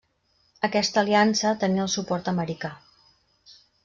Aquesta aliança tenia el suport americà.